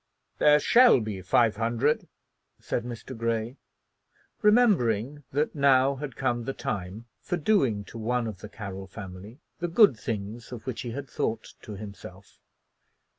"There shall be five hundred," said Mr. Grey, remembering that now had come the time for doing to one of the Carroll family the good things of which he had thought to himself.